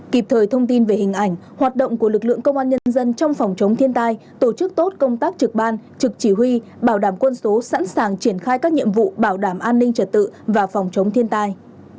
kịp thời thông tin về hình ảnh hoạt động của lực lượng công an nhân dân trong phòng chống thiên tai tổ chức tốt công tác trực ban trực chỉ huy bảo đảm quân số sẵn sàng triển khai các nhiệm vụ bảo đảm an ninh trật tự và phòng chống thiên tai